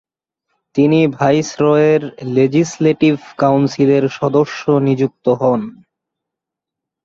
তিনি ভাইসরয়ের লেজিসলেটিভ কাউন্সিলের সদস্য নিযুক্ত হন।